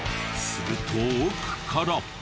すると奥から。